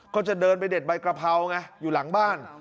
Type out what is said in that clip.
ก็จะเดินไปเด็ดใบกระเพราไงอยู่หลังบ้าน